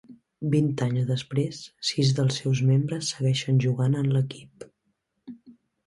Vint anys després, sis dels seus membres segueixen jugant en l'equip.